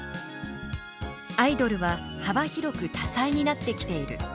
「アイドルは幅広く多彩になってきている。